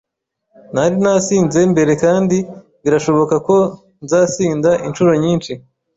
Nari nasinze mbere kandi birashoboka ko nzasinda inshuro nyinshi.